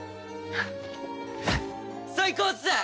最高っす！